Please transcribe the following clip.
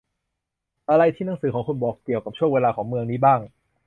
อะไรที่หนังสือของคุณบอกเกี่ยวกับช่วงเวลาของเมืองนี้บ้าง